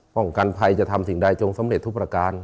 กันภัยจะทำสิ่งใดจงสำเร็จทุกประการ